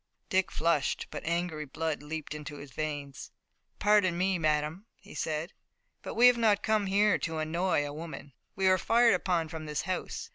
Dick flushed, but angry blood leaped in his veins. "Pardon me, madame," he said, "but we have not come here to annoy a woman. We were fired upon from this house.